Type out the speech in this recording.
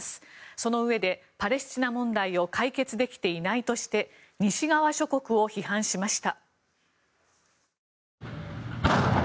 そのうえで、パレスチナ問題を解決できていないとして西側諸国を批判しました。